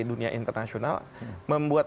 dunia internasional membuat